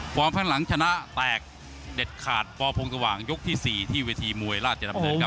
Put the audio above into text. ข้างหลังชนะแตกเด็ดขาดปพงสว่างยกที่๔ที่เวทีมวยราชดำเนินครับ